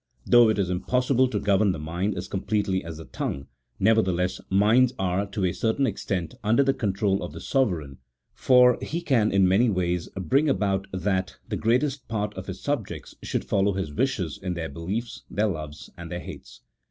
though it is impossible to govern the mind as completely as the tongue, nevertheless minds are, to a certain extent, under the control of the sovereign, for he can in many ways bring about that the greatest part of his subjects should follow his wishes in their beliefs, their loves, and their hates.